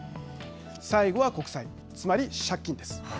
最後は国債、つまり借金です。